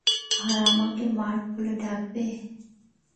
আর, আমাকে মার্ভ বলে ডাকবে।